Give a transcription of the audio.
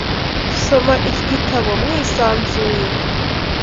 Soma iki gitabo mwisanzuye.